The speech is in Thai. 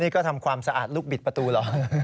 นี่ก็ทำความสะอาดลูกบิดประตูเหรอ